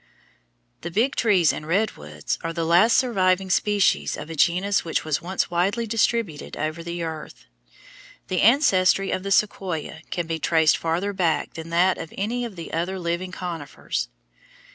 The Big Trees and redwoods are the last surviving species of a genus which was once widely distributed over the earth. The ancestry of the Sequoia can be traced farther back than that of any of the other living conifers.